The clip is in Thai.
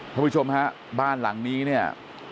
ผู้ชมฮะบ้านหลังนี้เนี่ย